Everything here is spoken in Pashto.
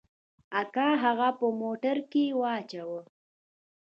اکا هغه په موټر کښې واچاوه.